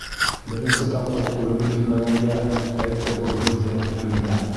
Беренсе тапҡыр күреме килмәгәнгә әйтте был һүҙҙе Йәмилә.